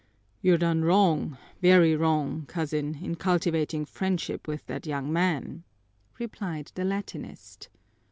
"You're done wrong, very wrong, cousin, in cultivating friendship with that young man," replied the Latinist.